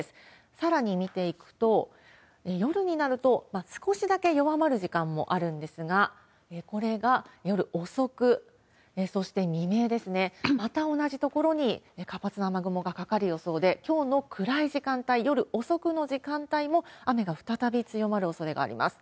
さらに見ていくと、夜になると、少しだけ弱まる時間もあるんですが、これが夜遅く、そして未明ですね、また同じ所に活発な雨雲がかかる予想で、きょうの暗い時間帯、夜遅くの時間帯も、雨が再び強まるおそれがあります。